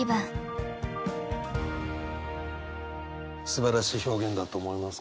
すばらしい表現だと思います。